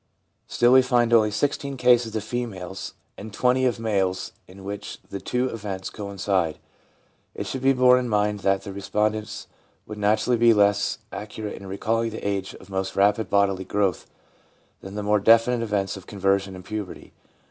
Still we find only 16 cases of females and 20 of males in which the two events coincide. It should be borne in mind that the respondents would naturally be less accurate in recalling the age of most rapid bodily growth than the more definite events of conversion and puberty.